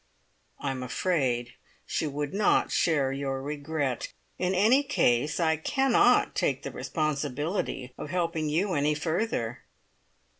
"I am afraid she would not share your regret. In any case, I cannot take the responsibility of helping you any further."